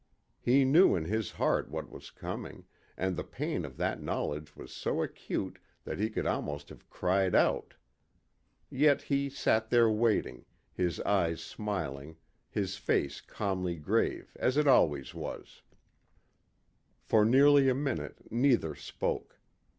He knew in his heart what was coming, and the pain of that knowledge was so acute that he could almost have cried out. Yet he sat there waiting, his eyes smiling, his face calmly grave as it always was. For nearly a minute neither spoke.